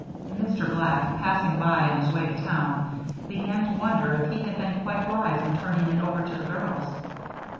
Mr. Black, passing by on his way to town, began to wonder if he had been quite wise in turning it over to the girls.